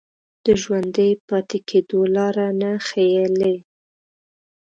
د ژوندي پاتې کېدو لاره نه ښييلې